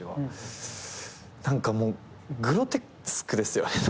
何かもうグロテスクですよね。